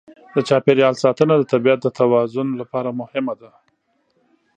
د چاپېریال ساتنه د طبیعت د توازن لپاره مهمه ده.